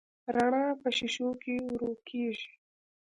رڼا په شیشو کې ورو کېږي.